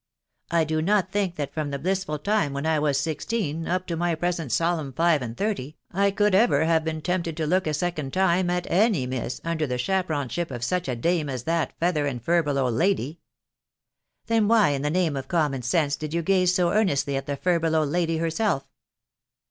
1 do not think that from the blissful time when I was sixteen, up to my present solemn five and thirty, I could ever have been tempted to look a second time at any miss under the chaperonship of such a dame as that feather and furbelow lady/' " Then why, in the name of common sense, did you gaze so earnestly at the furbelow lady herself?"